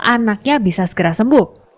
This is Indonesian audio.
anaknya bisa segera sembuh